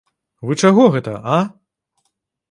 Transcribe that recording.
Вы чаго гэта, а?